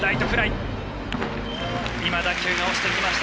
今打球が落ちてきました。